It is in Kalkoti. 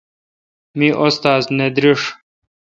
می استاد نہ درݭ ۔